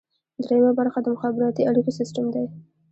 دریمه برخه د مخابراتي اړیکو سیستم دی.